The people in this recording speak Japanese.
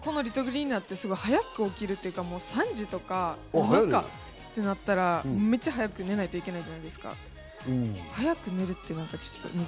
リトグリになって早く起きるというか、３時とか、起きるとなったら、めちゃ早く寝なきゃいけないじゃないですか。